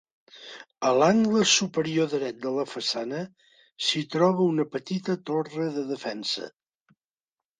A l'angle superior dret de la façana s'hi troba una petita torre de defensa.